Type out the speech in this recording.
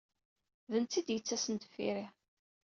D netta ay d-yettasen deffir-i.